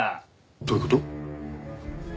どういう事？